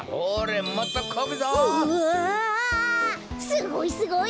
すごいすごい！